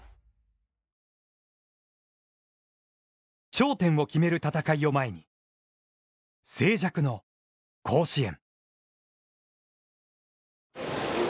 頂点を決める戦いを前に、静寂の甲子園。